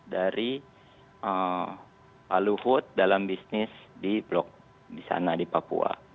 dari pak luhut dalam bisnis di blok di sana di papua